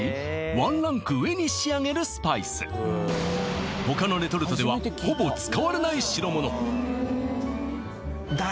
ワンランク上に仕上げるスパイス他のレトルトではほぼ使われない代物